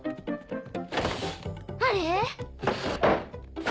あれ？